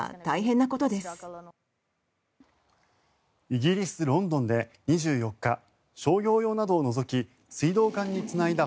イギリス・ロンドンで２４日商業用などを除き水道管につないだ